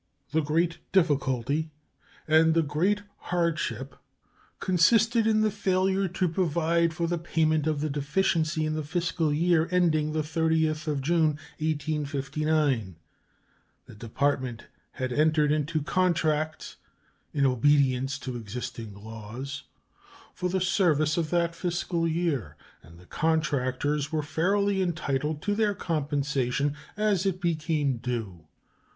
The great difficulty and the great hardship consisted in the failure to provide for the payment of the deficiency in the fiscal year ending the 30th June, 1859. The Department had entered into contracts, in obedience to existing laws, for the service of that fiscal year, and the contractors were fairly entitled to their compensation as it became due.